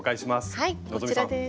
はいこちらです。